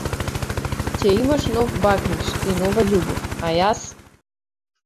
Ќе имаш нов бакнеж и нова љубов, а јас?